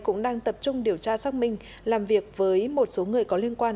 cũng đang tập trung điều tra xác minh làm việc với một số người có liên quan